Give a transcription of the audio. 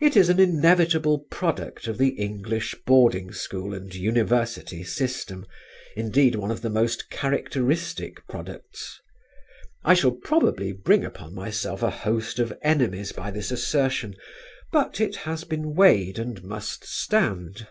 It is an inevitable product of the English boarding school and University system; indeed one of the most characteristic products. I shall probably bring upon myself a host of enemies by this assertion, but it has been weighed and must stand.